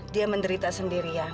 dia menderita sendirian